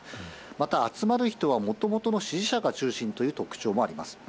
また集まる人はもともとの支持者が中心という特徴もあります。